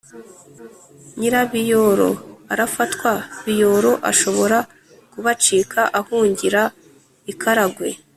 nyirabiyoro arafatwa, biyoro ashobora kubacika ahungira i karagwe.